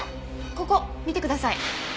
ここ見てください。